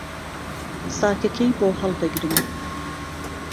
ساکهکهی بۆ ههڵدهگرم